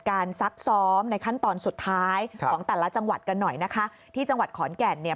ซักซ้อมในขั้นตอนสุดท้ายของแต่ละจังหวัดกันหน่อยนะคะที่จังหวัดขอนแก่นเนี่ย